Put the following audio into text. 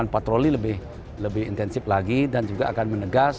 patroli lebih intensif lagi dan juga akan menegas